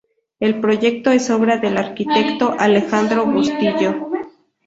El proyecto es obra del arquitecto Alejandro Bustillo.